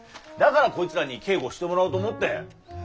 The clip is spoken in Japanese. だからこいつらに警護してもらおうと思って。